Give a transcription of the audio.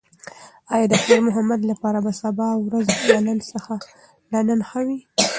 ایا د خیر محمد لپاره به د سبا ورځ له نن ښه وي؟